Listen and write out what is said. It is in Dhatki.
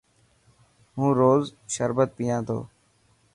هون روز شربت پيان ٿو.